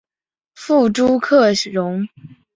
父朱克融。